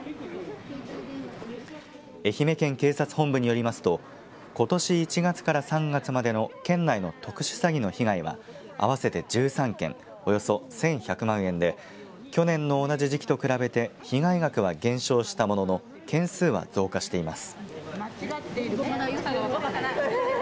愛媛県警察本部によりますとことし１月から３月までの県内の特殊詐欺の被害は合わせて１３件およそ１１００万円で去年の同じ時期と比べて被害額は減少したものの件数は増加しています。